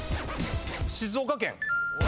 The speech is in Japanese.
静岡県。